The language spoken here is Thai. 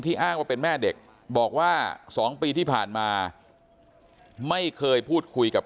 อ้างว่าเป็นแม่เด็กบอกว่า๒ปีที่ผ่านมาไม่เคยพูดคุยกับ